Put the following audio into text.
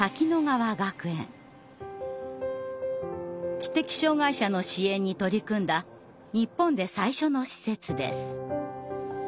知的障害者の支援に取り組んだ日本で最初の施設です。